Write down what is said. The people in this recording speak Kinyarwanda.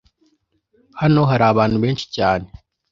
Hano hari abantu benshi cyane.